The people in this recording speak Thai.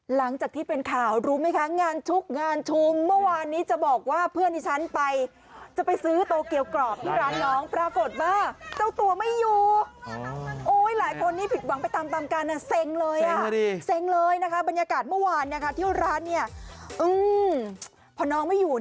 หลังจากที่เป็นข่าวรู้ไหมคะงานชุกงานชุมเมื่อวานนี้จะบอกว่าเพื่อนชั้นไปจะไปซื้อโตเกียวกรอบที่ร้านน้องปรากฏว่าเจ้าตัวไม่อยู่